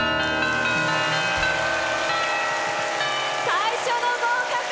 最初の合格！